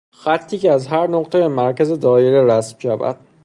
خطی که از هر نقطه به مرکز دایره رسم شود